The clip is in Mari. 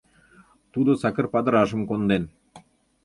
Тудо сакыр падырашым конден.